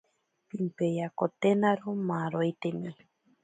Pimpeyakotenaro maaroiteni.